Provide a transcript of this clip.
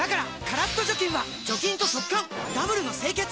カラッと除菌は除菌と速乾ダブルの清潔！